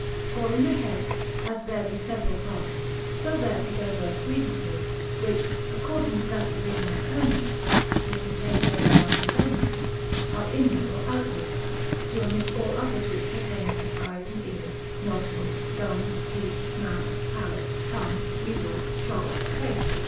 For in the head, as there be several parts, so there be divers grievances, which according to that division of Heurnius, (which he takes out of Arculanus,) are inward or outward (to omit all others which pertain to eyes and ears, nostrils, gums, teeth, mouth, palate, tongue, weezle, chops, face, &c.)